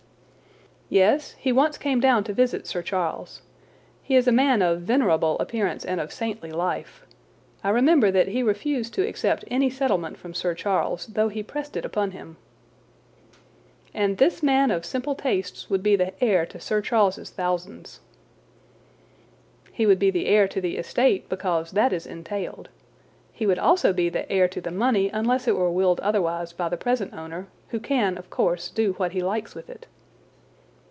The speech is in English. "Yes; he once came down to visit Sir Charles. He is a man of venerable appearance and of saintly life. I remember that he refused to accept any settlement from Sir Charles, though he pressed it upon him." "And this man of simple tastes would be the heir to Sir Charles's thousands." "He would be the heir to the estate because that is entailed. He would also be the heir to the money unless it were willed otherwise by the present owner, who can, of course, do what he likes with it."